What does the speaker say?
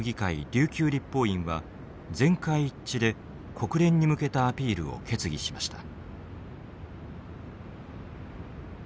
琉球立法院は全会一致で国連に向けたアピールを決議しました。